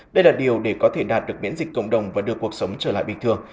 đây là điều để có thể đạt được miễn dịch cộng đồng và đưa cuộc sống trở lại bình thường